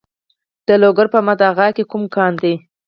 د لوګر په محمد اغه کې کوم کان دی؟